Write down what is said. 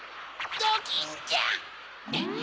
ドキンちゃん！